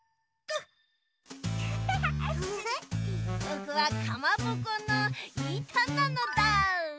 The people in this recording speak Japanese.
ぼくはかまぼこのいたなのだ。